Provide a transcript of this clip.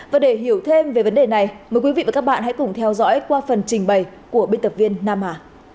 và để hiểu thêm về vấn đề này mời quý vị và các bạn hãy cùng theo dõi qua phần trình bày của biên tập viên nam hà